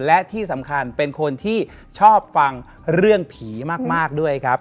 และที่สำคัญเป็นคนที่ชอบฟังเรื่องผีมากด้วยครับ